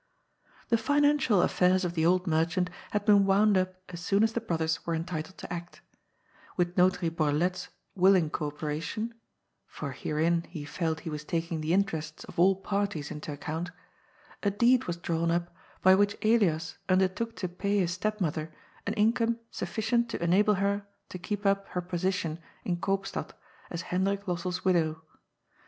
The financial affairs of the old merchant had been wound up as soon as the brothers were entitled to act With Not^y Borlett's willing co operation — ^f or herein he felt he was taking the interests of all parties into account — ^a deed was drawn up by which Elias undertook to pay his step mother an income sufScient to enable her to keep up her position in Koopstad as Hendrik Lossell's widow.